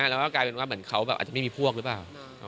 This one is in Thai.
แล้วก็กลายเป็นว่าเหมือนเขาแบบอาจจะไม่มีพวกหรือเปล่า